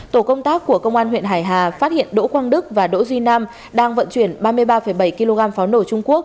tổ công tác của công an huyện hải hà phát hiện đỗ quang đức và đỗ duy nam đang vận chuyển ba mươi ba bảy kg pháo nổ trung quốc